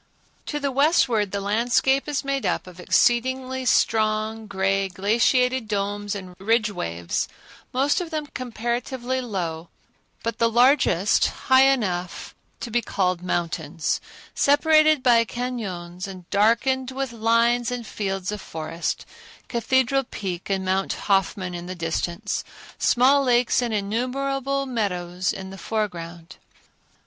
To the westward the landscape is made up of exceedingly strong, gray, glaciated domes and ridge waves, most of them comparatively low, but the largest high enough to be called mountains; separated by cañons and darkened with lines and fields of forest, Cathedral Peak and Mount Hoffman in the distance; small lakes and innumerable meadows in the foreground.